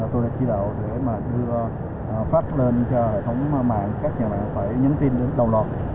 tôi đã chỉ đạo để mà đưa phát lên cho hệ thống mạng các nhà mạng phải nhắn tin đến đầu lọt